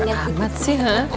selamat sih ha